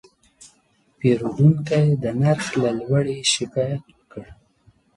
پیرودونکی د نرخ له لوړې شکایت وکړ.